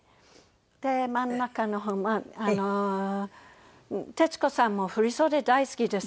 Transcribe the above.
で真ん中の方は徹子さんも振り袖大好きですよね。